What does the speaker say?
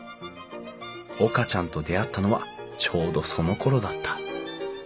岡ちゃんと出会ったのはちょうどそのころだった。